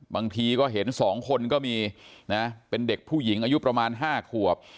บางทีก็เห็น๒คนก็มีนะเป็นเด็กผู้หญิงอายุประมาณ๕ขวบ